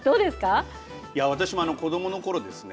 私も子どものころですね